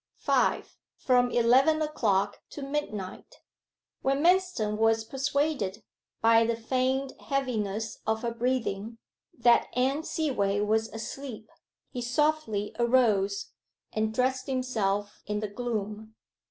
5. FROM ELEVEN O'CLOCK TO MIDNIGHT When Manston was persuaded, by the feigned heaviness of her breathing, that Anne Seaway was asleep, he softly arose, and dressed himself in the gloom.